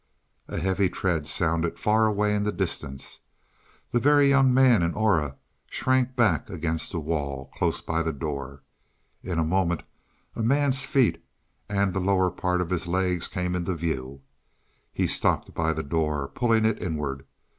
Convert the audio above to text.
A heavy tread sounded far away in the distance. The Very Young Man and Aura shrank back against the wall, close by the door. In a moment a man's feet and the lower part of his legs came into view. He stopped by the door, pulling it inward.